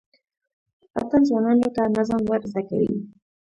اتڼ ځوانانو ته نظم ور زده کوي.